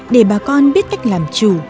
để bà con biết cách làm chủ